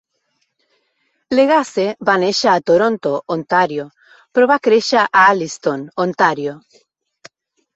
Legace va néixer a Toronto, Ontario, però va créixer a Alliston, Ontario.